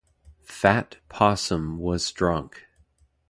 Fat Possum was drunk.